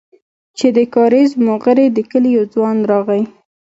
چې د کاريز موغري د کلي يو ځوان راغى.